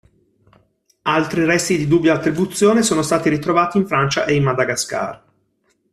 Altri resti di dubbia attribuzione sono stati ritrovati in Francia e in Madagascar.